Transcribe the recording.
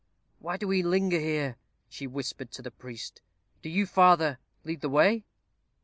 "Why do we linger here?" she whispered to the priest. "Do you, father, lead the way."